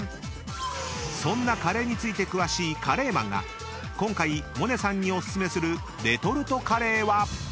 ［そんなカレーについて詳しいカレーマンが今回萌音さんにお薦めするレトルトカレーは？］